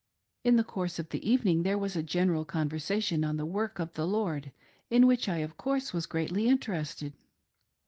. In the course of the evening there was a general conversation on " the work of the Lord," in which I, of course, was greatly interested.